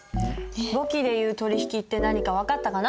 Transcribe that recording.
簿記でいう取引って何か分かったかな？